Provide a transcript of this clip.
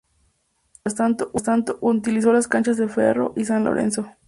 Mientras tanto, utilizó las canchas de Ferro y San Lorenzo.